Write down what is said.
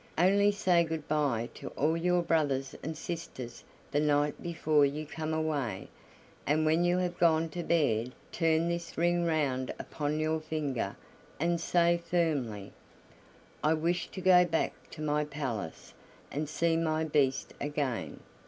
Only say good by to all your brothers and sisters the night before you come away, and when you have gone to bed turn this ring round upon your finger and say firmly: 'I wish to go back to my palace and see my Beast again.